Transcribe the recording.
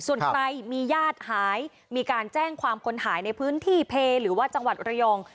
ส่วนใครมีญาติหายมีการแจ้งความคนหายในพื้นที่เพหรือว่าจังหวัดระยอง